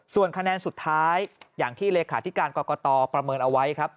ส่วนคะแนนสุดท้ายอย่างที่เลขาธิการกรกตประเมินเอาไว้ครับ